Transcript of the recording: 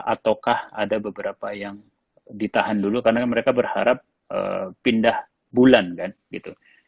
ataukah ada beberapa yang ditahan dulu karena mereka berharap pindah bulan kan gitu